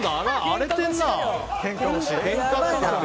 荒れてるな。